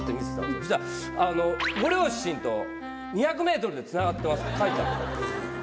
そしたら「ご両親と２００ｍでつながってます」って書いてある。